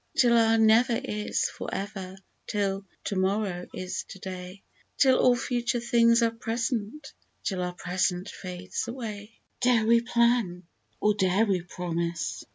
Till our " Never " is " For ever," till " To morrow " is "To day"; Till all Future things are Present, till our Present fades away ;" After Long Years'' 8 1 Dare we plan or dare we promise